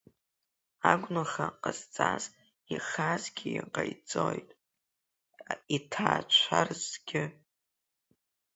Агәнаҳа ҟазҵаз ихазгьы иҟаиҵоит, иҭаацәа рзгьы.